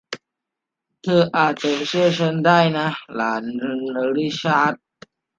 เธออาจจะเชื่อฉันได้นะ หลานริชาร์ด